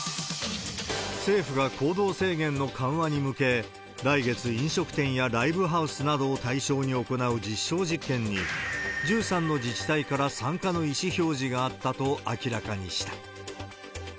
政府が行動制限の緩和に向け、来月、飲食店やライブハウスなどを対象に行う実証実験に、１３の自治体から参加の意思表示があったと明らかにした。